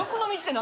何？